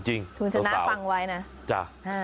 จริงทุนชนะฟังไว้นะ